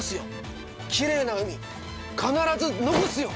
きれいな海必ず残すよ！